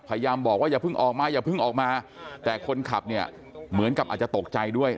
พยายามบอกว่าอย่าเพิ่งออกมาอย่าเพิ่งออกมาแต่คนขับเนี่ยเหมือนกับอาจจะตกใจด้วย